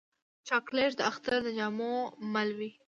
چاکلېټ د اختر د جامو مل وي.